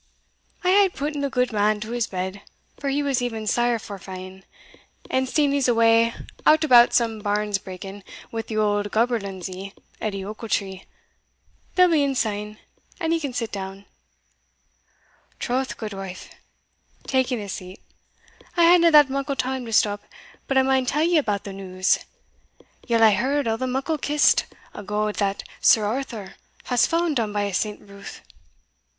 "I hae putten the gudeman to his bed, for he was e'en sair forfain; and Steenie's awa out about some barns breaking wi' the auld gaberlunzie, Edie Ochiltree: they'll be in sune, and ye can sit doun." "Troth, gudewife" (taking a seat), "I haena that muckle time to stop but I maun tell ye about the news. Yell hae heard o' the muckle kist o' gowd that Sir Arthur has fund down by at St. Ruth?